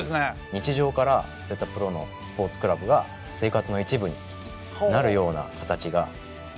日常からそういったプロのスポーツクラブが生活の一部になるような形が理想。